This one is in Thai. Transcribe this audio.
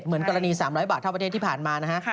เหมือนกรณี๓๐๐บาทเท่าประเทศที่ผ่านมานะฮะ